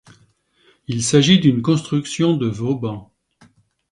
Il s’agit d’une construction de Vauban.